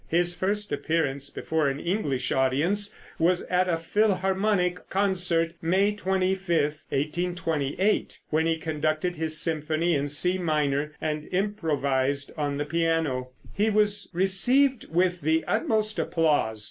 His first appearance before an English audience was at a Philharmonic concert, May 25, 1828, when he conducted his symphony in C minor and improvised on the piano. He was received with the utmost applause.